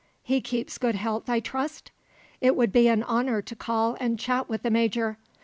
"He keeps good health, I trust? It would be an honour to call and chat with the Major.